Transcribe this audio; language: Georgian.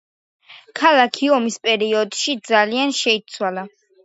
ქალაქი ომის პერიოდში ძალიან შეიცვალა.